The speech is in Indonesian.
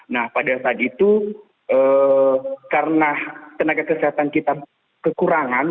nah pada saat itu karena tenaga kesehatan kita kekurangan